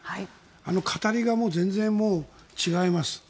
あの語りがもう全然違います。